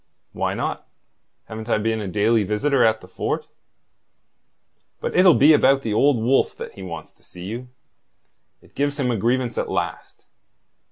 "Why not? Haven't I been a daily visitor at the fort...?" "But it'll be about the Old Wolf that he wants to see you. It gives him a grievance at last.